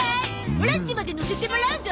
オラんちまで乗せてもらうゾ！